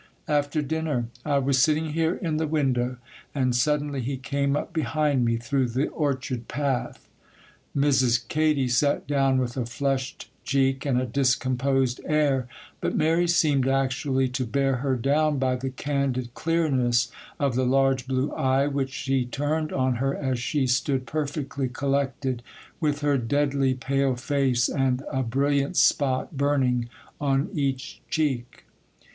'After dinner. I was sitting here in the window, and suddenly he came up behind me through the orchard path.' Mrs. Katy sat down with a flushed cheek and a discomposed air; but Mary seemed actually to bear her down by the candid clearness of the large blue eye which she turned on her as she stood perfectly collected, with her deadly pale face and a brilliant spot burning on each cheek.